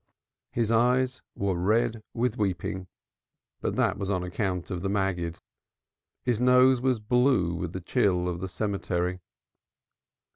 His eyes were red with weeping, but that was on account of the Maggid. His nose was blue with the chill of the cemetery.